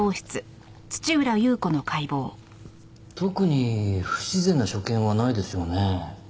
特に不自然な所見はないですよね？